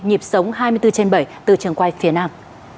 nhịp sống hai mươi bốn trên bảy từ trường quay phía nam